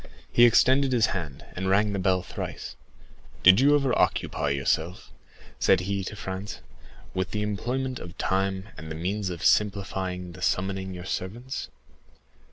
He extended his hand, and rang the bell thrice. "Did you ever occupy yourself," said he to Franz, "with the employment of time and the means of simplifying the summoning your servants?